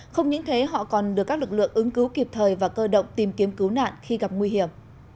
không những thế họ còn được các lực lượng ứng cứu kịp thời và cơ động tìm kiếm cứu nạn khi gặp nguy hiểm